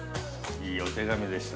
◆いいお手紙でした。